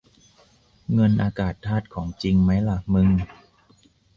เงินอากาศธาตุของจริงมั้ยล่ะมึง